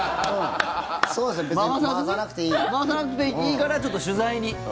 回さなくていいからちょっと取材に。